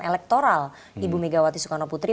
elektoral ibu megawati soekarno putri